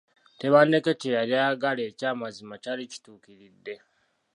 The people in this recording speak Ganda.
Tebandeke kye yali ayagala ekyamazima kyali kituukiridde.